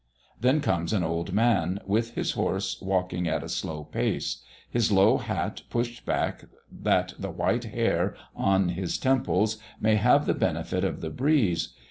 Then comes an old man, with his horse walking at a slow pace, his low hat pushed back that the white hair on his temples may have the benefit of the breeze.